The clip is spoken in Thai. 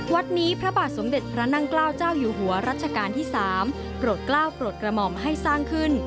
วัดนี้พระบาทสมเด็จพระนั่งเกล้าเจ้าอยู่หัวรัชกาลที่๓โปรดกล้าวโปรดกระหม่อมให้สร้างขึ้น